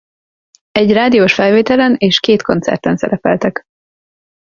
Egy rádiós felvételen és két koncerten szerepeltek.